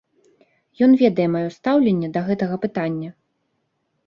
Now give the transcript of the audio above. Ён ведае маё стаўленне да гэтага пытання.